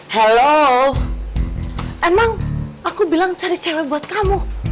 halo emang aku bilang cari cewe buat kamu